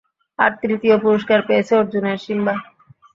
আর তৃতীয় পুরষ্কার পেয়েছে অর্জুনের সিম্বা!